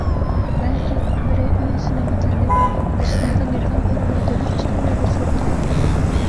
Бәлки, бер өй эсенә бикләнеп, кешеләрҙән ярҙам һорамай дөрөҫ эшләмәйҙер Сәбилә?